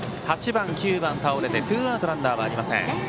８番、９番倒れてツーアウトランナー、ありません。